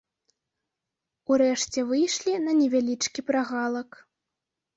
Урэшце выйшлі на невялічкі прагалак.